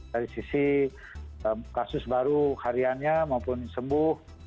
dari sisi kasus baru hariannya maupun sembuh